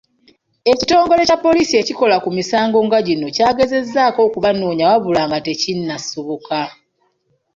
Ekitongole kya Poliisi ekikola ku misango nga gino kyagezezaako okubanoonya wabula nga tekinnasoboka